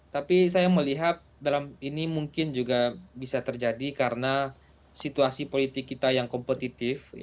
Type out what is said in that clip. tapi saya melihat dalam ini mungkin juga bisa terjadi karena situasi politik kita yang kompetitif